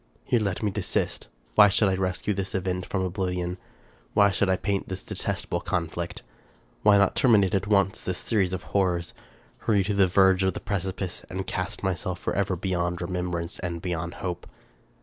Here let me desist. Why should I rescue this event from oblivion? Why should I paint this detestable conflict? Why not terminate at once this series of horrors? — Hurry to the verge of the precipice, and cast myself forever be yond remembrance and beyond hope?